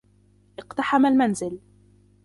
اقتحم المنزل.